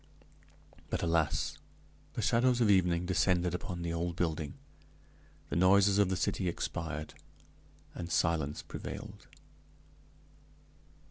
But, alas! the shadows of evening descended upon the old building, the noises of the city expired, and silence prevailed.